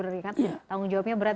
tanggung jawabnya berat